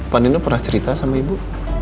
pak nino pernah cerita sama ibu